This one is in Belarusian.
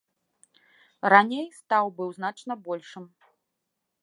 Раней стаў быў значна большым.